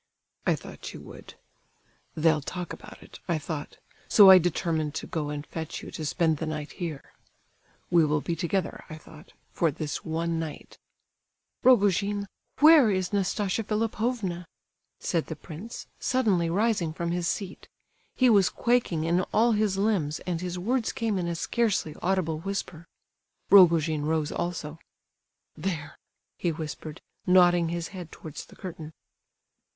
"I thought you would. 'They'll talk about it,' I thought; so I determined to go and fetch you to spend the night here—'We will be together,' I thought, 'for this one night—'" "Rogojin, where is Nastasia Philipovna?" said the prince, suddenly rising from his seat. He was quaking in all his limbs, and his words came in a scarcely audible whisper. Rogojin rose also. "There," he whispered, nodding his head towards the curtain.